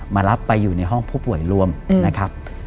รับไปอยู่ในห้องผู้ป่วยรวมนะครับ